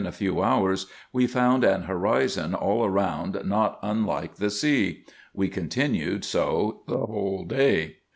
401 a few hours, we found an horizon all round, not unlike the sea. We continued so the whole day.